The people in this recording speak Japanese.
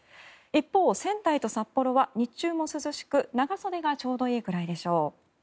一方、仙台と札幌は日中も涼しく長袖がちょうどいいくらいでしょう。